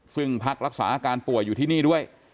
ซึ่งพักรักษาอาการป่วยอยู่ที่นี่ด้วย